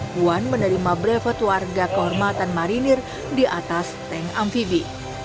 puan menerima brevet warga kehormatan marinir di atas tank amfibi